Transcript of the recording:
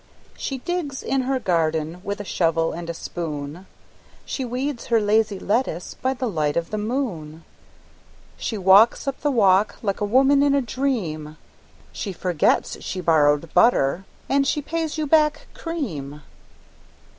She digs in her garden With a shovel and a spoon, She weeds her lazy lettuce By the light of the moon, She walks up the walk Like a woman in a dream, She forgets she borrowed butter And pays you back cream!